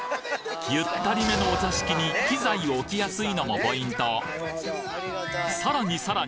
ゆったりめのお座敷に機材を置きやすいのもポイント